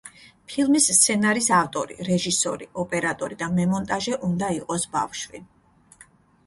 ფილმის სცენარის ავტორი, რეჟისორი, ოპერატორი და მემონტაჟე უნდა იყოს ბავშვი.